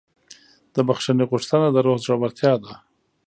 د بښنې غوښتنه د روح زړورتیا ده.